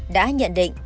đã nhận định